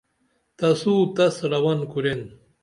تسو تس رون کُرین